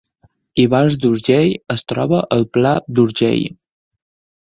Ivars d’Urgell es troba al Pla d’Urgell